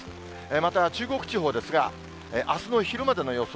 また中国地方ですが、あすの昼までの予想